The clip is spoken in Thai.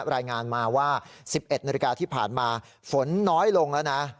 รายงานมาว่า๑๑นาฬิกาที่ผ่านมาฝนน้อยลงแล้วนะ